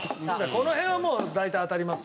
この辺はもう大体当たります。